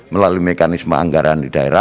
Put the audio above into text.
melalui mekanisme anggaran